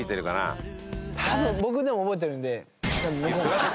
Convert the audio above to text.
多分僕でも覚えてるんで向こうも。